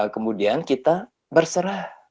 kemudian kita berserah